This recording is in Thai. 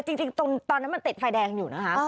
จริงตอนนั้นมันติดไฟแดงอยู่นะคะ